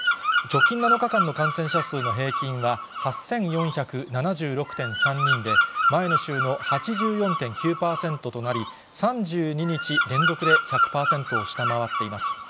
直近７日間の感染者数の平均は８４７６．３人で、前の週の８４．９％となり、３２日連続で１００％を下回っています。